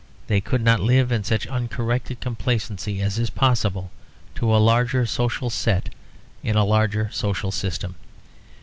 They could not live in such uncorrected complacency as is possible to a larger social set in a larger social system.